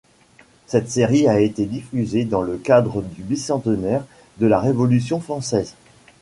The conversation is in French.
Cette série a été diffusée dans le cadre du bicentenaire de la Révolution française.